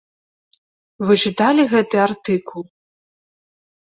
Вы чыталі гэты артыкул?